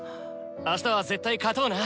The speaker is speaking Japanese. あしたは絶対勝とうな！